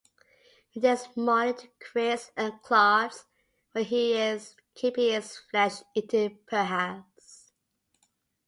He takes Molly to Chris and Claude's where he is keeping his flesh-eating piranhas.